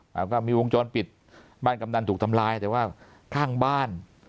แล้วก็มีวงจรปิดบ้านกำนันถูกทำลายแต่ว่าข้างบ้าน